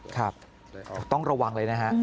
ครับต้องระวังเลยนะฮะ